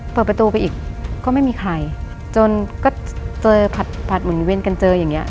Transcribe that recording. เปิดประตูไปอีกก็ไม่มีใครจนก็เจอผัดหมุนเวียนกันเจออย่างเงี้